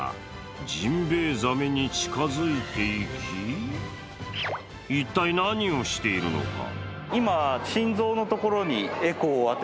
ジンベエザメに近づいていき、一体、何をしているのか。